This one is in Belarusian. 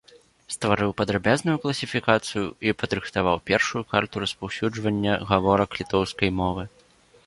Стварыў падрабязную класіфікацыю і падрыхтаваў першую карту распаўсюджвання гаворак літоўскай мовы.